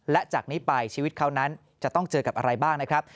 และจากนี้ไปชีวิตเขานั้นจะต้องเจอกับอะไรบ้างนะครับ